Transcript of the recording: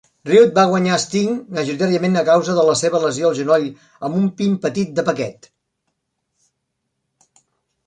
Rude va guanyar a Sting, majoritàriament a causa de la seva lesió al genoll, amb un pin petit de paquet.